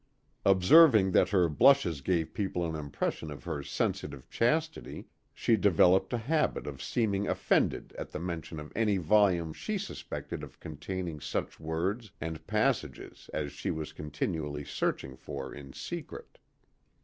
Observing that her blushes gave people an impression of her sensitive chastity, she developed a habit of seeming offended at the mention of any volume she suspected of containing such words and passages as she was continually searching for in secret.